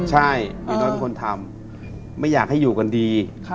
ใช่หนูน้อยเป็นคนทำไม่อยากให้อยู่กันดี